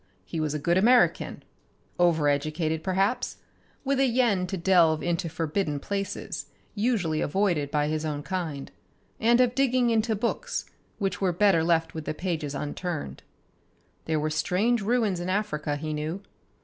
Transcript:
He was a good American, over educated perhaps, with a yen to delve into forbidden places usually avoided by his own kind, and of digging into books which were better left with the pages unturned. There were strange ruins in Africa, he knew.